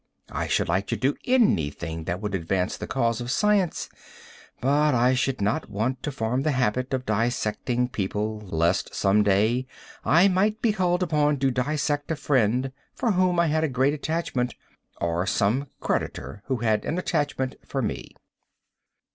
I should like to do anything that would advance the cause of science, but I should not want to form the habit of dissecting people, lest some day I might be called upon to dissect a friend for whom I had a great attachment, or some creditor who had an attachment for me.